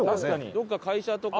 どっか会社とか。